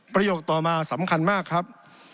ประโยคต่อมาสำคัญมากครับ